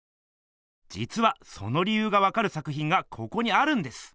じつはその理ゆうがわかる作ひんがここにあるんです。